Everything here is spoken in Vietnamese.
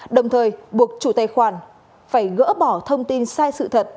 đồng thời buộc chủ tài khoản phải gỡ bỏ thông tin sai sự thật